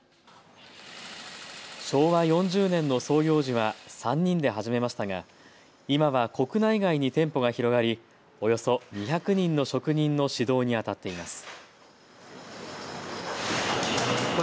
昭和４０年の創業時は３人で始めましたが今は国内外に店舗が広がり、およそ２００人の職人の指導にあたっています。